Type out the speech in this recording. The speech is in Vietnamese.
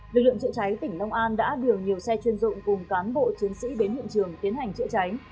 lực lượng chữa cháy tỉnh long an đã điều nhiều xe chuyên dụng cùng cán bộ chiến sĩ đến hiện trường tiến hành chữa cháy